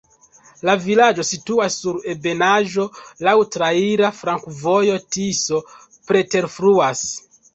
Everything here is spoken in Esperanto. La vilaĝo situas sur ebenaĵo, laŭ traira flankovojo, Tiso preterfluas.